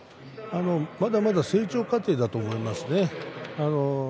まだまだ成長過程だと思いますね。